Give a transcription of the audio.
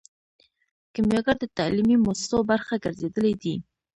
کیمیاګر د تعلیمي موسسو برخه ګرځیدلی دی.